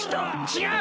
違う！